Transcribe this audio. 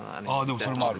でもそれもある。